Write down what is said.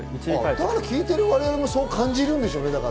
だから聴いてる我々もそう感じるんでしょうね。